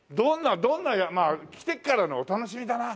まあ来てからのお楽しみだな。